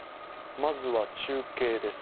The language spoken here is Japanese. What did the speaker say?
まずは中継です